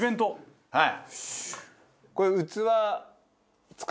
はい。